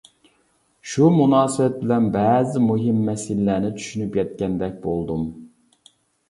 شۇ مۇناسىۋەت بىلەن بەزى مۇھىم مەسىلىلەرنى چۈشىنىپ يەتكەندەك بولدۇم.